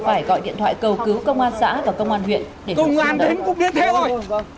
phải gọi điện thoại cầu cứu công an xã và công an huyện để thu hút xin đợi